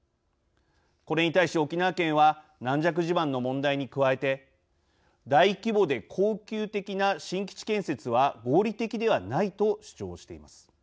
これに対し沖縄県は軟弱地盤の問題に加えて「大規模で恒久的な新基地建設は合理的ではない」と主張しています。